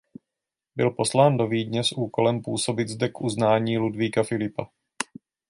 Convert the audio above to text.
Byl poslán do Vídně s úkolem působit zde k uznání Ludvíka Filipa.